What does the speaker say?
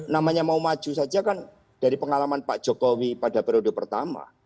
namanya mau maju saja kan dari pengalaman pak jokowi pada periode pertama